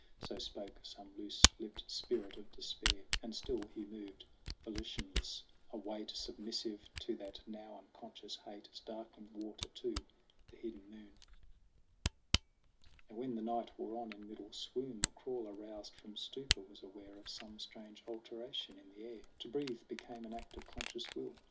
So spoke some loose lipped spirit of despair; And still Hugh moved, volitionless a weight Submissive to that now unconscious hate, As darkling water to the hidden moon. Now when the night wore on in middle swoon, The crawler, roused from stupor, was aware Of some strange alteration in the air. To breathe became an act of conscious will.